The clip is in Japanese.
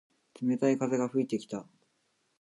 冷たい風が吹いてきた。